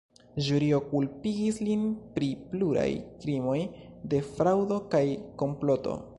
Ĵurio kulpigis lin pri pluraj krimoj de fraŭdo kaj komploto.